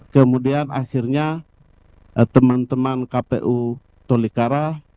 kemudian akhirnya teman teman kpu tolikara